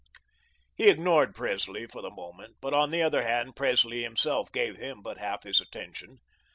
He ignored Presley for the moment, but, on the other hand, Presley himself gave him but half his attention.